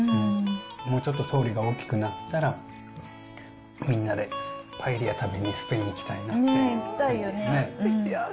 もうちょっと桃琉が大きくなったら、みんなでパエリア食べに行きたいよね。